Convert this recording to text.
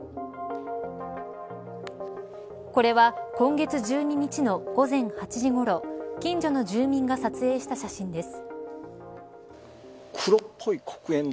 これは今月１２日の午前８時ごろ近所の住民が撮影した写真です。